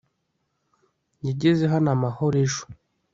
yageze hano amahoro ejo